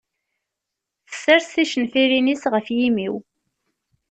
Tessers ticenfirin-is ɣef yimi-w.